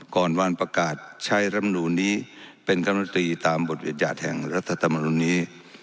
ก่อนวันประกาศใช้รำนูนนี้เป็นกรรมตรีตามบทบรรยัติแห่งรัฐธรรมนุนนี้